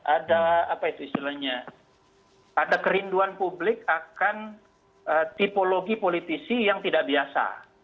ada apa itu istilahnya ada kerinduan publik akan tipologi politisi yang tidak biasa